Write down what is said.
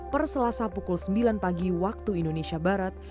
perselasa pukul sembilan pagi waktu indonesia barat